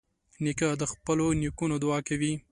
نیکه د خپلو نیکونو دعا کوي.